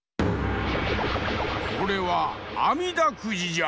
これは「あみだくじ」じゃ！